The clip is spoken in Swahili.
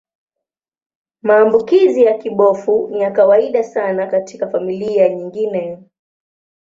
Maambukizi ya kibofu ni ya kawaida sana katika familia nyingine.